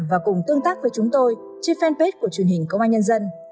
và cùng tương tác với chúng tôi trên fanpage của truyền hình công an nhân dân